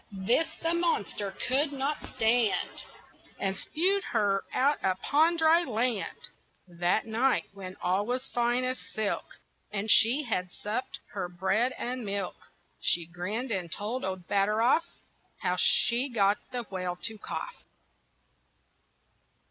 This the monster could not stand, And spewed her out upon dry land. That night, when all was fine as silk And she had supped her bread and milk, She grinned and told old Batteroff How she got the whale to cough.